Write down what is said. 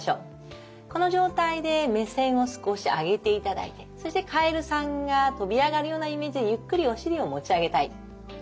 この状態で目線を少し上げていただいてそしてカエルさんが跳び上がるようなイメージでゆっくりお尻を持ち上げたい。